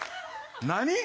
何？